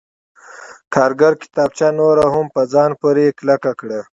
کارګر کتابچه نوره هم په ځان پورې کلکه کړه